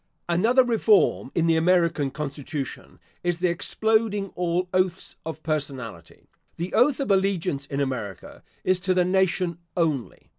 Another reform in the American constitution is the exploding all oaths of personality. The oath of allegiance in America is to the nation only.